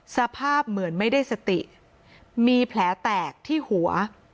สภาพเหมือนไม่ได้สติมีแผลแตกที่หัว